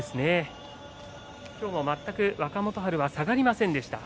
全く、若元春は下がりませんでした。